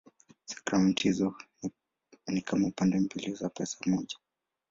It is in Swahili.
Sakramenti hizo ni kama pande mbili za pesa moja.